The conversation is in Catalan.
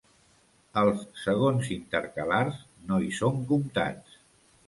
Els segons intercalars no hi són comptats.